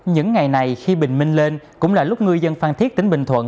những ngày này khi bình minh lên cũng là lúc ngư dân phan thiết tỉnh bình thuận